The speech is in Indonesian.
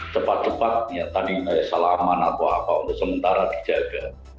cepat cepat ya tadi salah aman atau apa untuk sementara dijaga